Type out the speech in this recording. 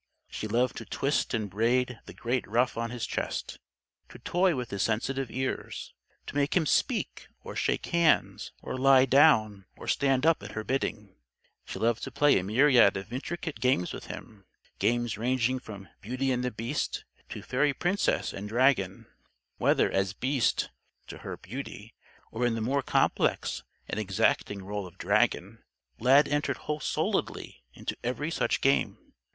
She loved to twist and braid the great white ruff on his chest, to toy with his sensitive ears, to make him "speak" or shake hands or lie down or stand up at her bidding. She loved to play a myriad of intricate games with him games ranging from Beauty and the Beast, to Fairy Princess and Dragon. Whether as Beast (to her Beauty) or in the more complex and exacting rôle of Dragon, Lad entered wholesouledly into every such game.